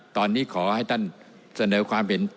ตอนนี้ขอให้ท่านเสนอความเห็น